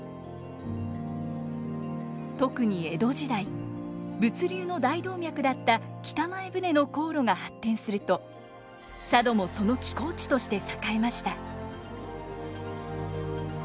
特に江戸時代物流の大動脈だった北前船の航路が発展すると佐渡もその寄港地として栄えました。